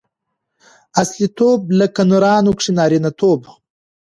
اصیلتوب؛ لکه نرانو کښي نارينه توب.